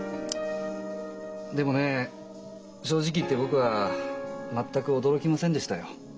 でもね正直言って僕は全く驚きませんでしたよ。